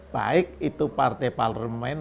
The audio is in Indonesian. baik itu partai parlement